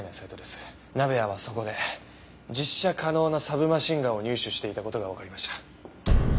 鍋谷はそこで実射可能なサブマシンガンを入手していた事がわかりました。